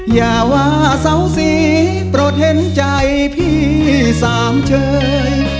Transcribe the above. อย่าว่าเสาสีโปรดเห็นใจพี่สามเชย